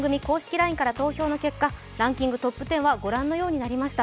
ＬＩＮＥから投票の結果、ランキングトップ１０はご覧のようになりました。